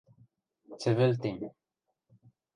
– Цӹвӹлтем.